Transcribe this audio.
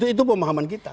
itu pemahaman kita